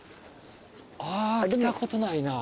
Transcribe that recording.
あ来たことないな。